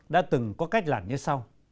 đã từng có cách làm như sau